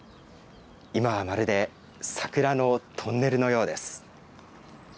今はまるで桜のトンネルのようです。